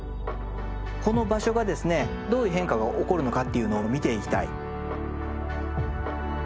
この場所がですねどういう変化が起こるのかっていうのを見ていきたい。